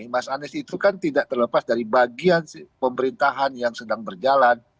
mas anies itu kan tidak terlepas dari bagian pemerintahan yang sedang berjalan